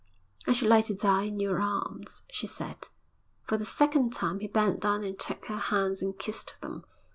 'I should like to die in your arms,' she said. For the second time he bent down and took her hands and kissed them.